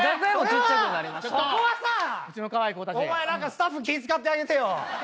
スタッフ気ぃ使ってあげてよ。